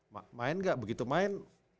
main gak begitu main